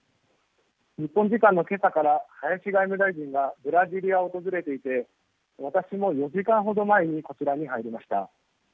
日本時間のけさから林外務大臣がブラジリア訪れていて私も４時間ほど前にこちらに入りました。